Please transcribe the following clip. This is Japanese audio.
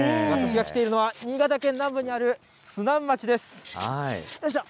私が来ているのは、新潟県南部にある津南町です。